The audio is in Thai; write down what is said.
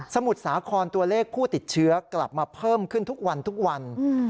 มุทรสาครตัวเลขผู้ติดเชื้อกลับมาเพิ่มขึ้นทุกวันทุกวัน